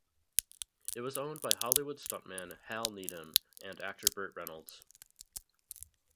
It was owned by Hollywood stuntman Hal Needham and actor Burt Reynolds.